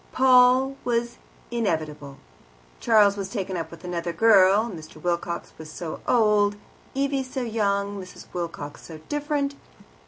Paul was inevitable. Charles was taken up with another girl, Mr. Wilcox was so old, Evie so young, Mrs. Wilcox so different.